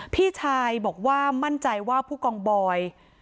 พี่ชายบอกว่ามั่นใจว่าผู้กองบอย